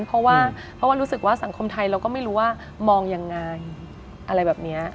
เพราะว่าเพราะว่ารู้สึกว่าสังคมไทยเราก็ไม่รู้ว่ามองยังไงอะไรแบบนี้